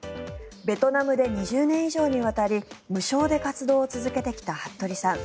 ベトナムで２０年以上にわたり無償で活動を続けてきた服部さん。